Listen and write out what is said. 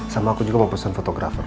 sama aku juga mau pesen fotografer